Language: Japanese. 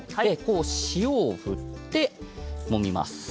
塩を振って、もみます。